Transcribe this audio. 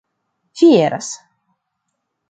fieras